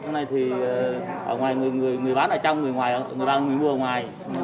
trong này thì người bán ở trong người mua ở ngoài